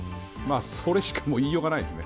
それしか言いようがないです。